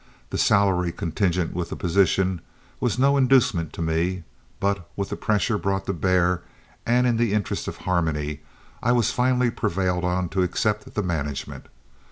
The salary contingent with the position was no inducement to me, but, with the pressure brought to bear and in the interests of harmony, I was finally prevailed on to accept the management.